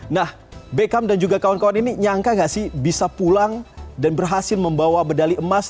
nah beckham dan juga kawan kawan ini nyangka gak sih bisa pulang dan berhasil membawa medali emas